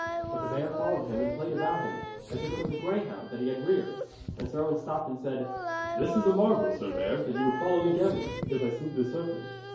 But the bear followed him and played about him, as if it was a greyhound that he had reared. And Sir Owen stopped and said: 'This is a marvel, sir bear, that you would follow me gambolling, because I slew the serpent.